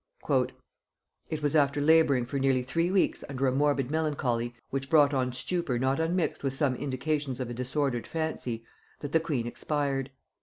"It was after laboring for nearly three weeks under a morbid melancholy, which brought on stupor not unmixed with some indications of a disordered fancy, that the queen expired.